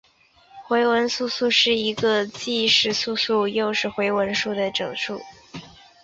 回文素数是一个既是素数又是回文数的整数。